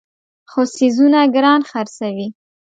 خو څیزونه ګران خرڅوي.